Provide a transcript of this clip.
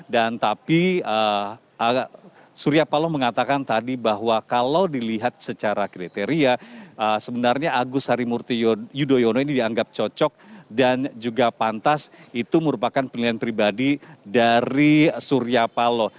dan tapi surya palo mengatakan tadi bahwa kalau dilihat secara kriteria sebenarnya agius harimurti yudhoyono ini dianggap cocok dan juga pantas itu merupakan pilihan pribadi dari surya palo